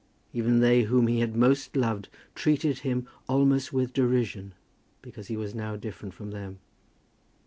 Even they whom he had most loved treated him almost with derision, because he was now different from them.